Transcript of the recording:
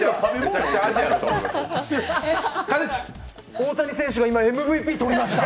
大谷選手が今ＭＶＰ取りました。